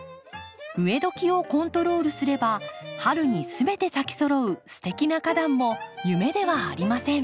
植えどきをコントロールすれば春に全て咲きそろうすてきな花壇も夢ではありません。